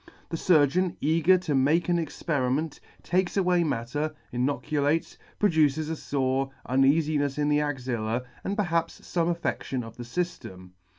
The furgeon, eager to make an experiment, takes away matter, inoculates, produces a fore, L uneafinefk [ 74 ] uneafinefs in the axilla, and perhaps fome affe&ion of the fyftem.